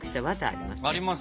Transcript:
ありますね。